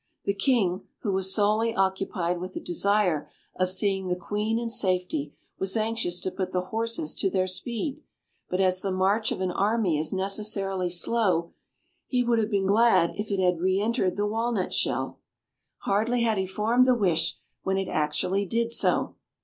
The King, who was solely occupied with the desire of seeing the Queen in safety, was anxious to put the horses to their speed; but as the march of an army is necessarily slow, he would have been glad if it had re entered the walnut shell. Hardly had he formed the wish when it actually did so.